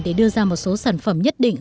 để đưa ra một số sản phẩm nhất định